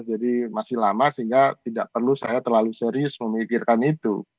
jadi masih lama sehingga tidak perlu saya terlalu serius memikirkan itu